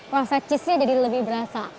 rasa cheese nya jadi lebih berasa